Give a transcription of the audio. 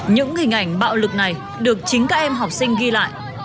những hình ảnh bạo lực này được chính các em học sinh ghi lại